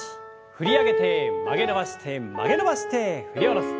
振り上げて曲げ伸ばして曲げ伸ばして振り下ろす。